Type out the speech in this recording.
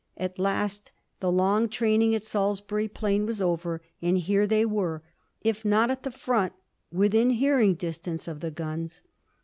At last the long training at Salisbury Plain was over, and here they were, if not at the front, within hearing distance of the guns.